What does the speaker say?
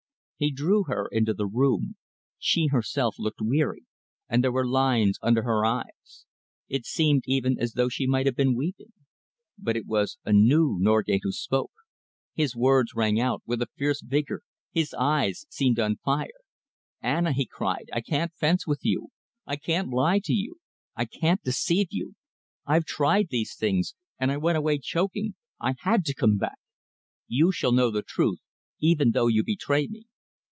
He drew her into the room. She herself looked weary, and there were lines under her eyes. It seemed, even, as though she might have been weeping. But it was a new Norgate who spoke. His words rang out with a fierce vigour, his eyes seemed on fire. "Anna," he cried, "I can't fence with you. I can't lie to you. I can't deceive you. I've tried these things, and I went away choking, I had to come back. You shall know the truth, even though you betray me.